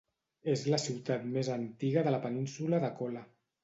És la ciutat més antiga de la península de Kola.